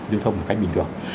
điêu thông một cách bình thường